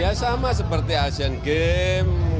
ya sama seperti asian games